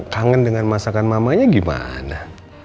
kangen dengan masakan mamanya gimana